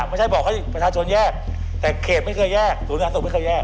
ไม่ใช่บอกให้ประชาชนแยกแต่เขตไม่เคยแยกศูนย์สาธารณสุขไม่เคยแยก